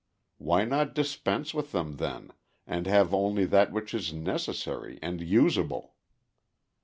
Why not dispense with them, then, and have only that which is necessary and usable?